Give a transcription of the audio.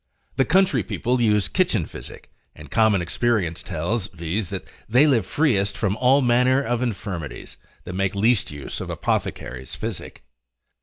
The country people use kitchen physic, and common experience tells vis, that they live freest from all manner of infirmities, that make least use of apothecaries' physic.